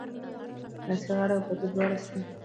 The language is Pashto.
لاسي غاړه او پټو دواړه سته